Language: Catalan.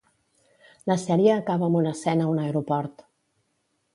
La sèrie acaba amb una escena a un aeroport.